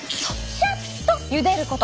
シャットゆでること！